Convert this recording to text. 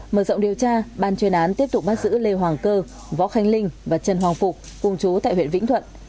mở rộng điều tra ban chuyên án tiếp tục bắt giữ lê hoàng cơ võ khánh linh và trần hoàng phục cùng chú tại huyện vĩnh thuận